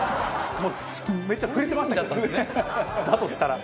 もうめっちゃ触れてましたけどねだとしたら。